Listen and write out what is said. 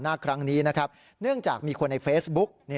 ครั้งนี้นะครับเนื่องจากมีคนในเฟซบุ๊ก